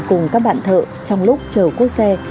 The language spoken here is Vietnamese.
cùng các bạn thợ trong lúc chờ cuốc xe